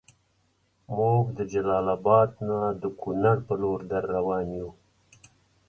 مونږ د جلال اباد نه د کونړ پر لور دروان یو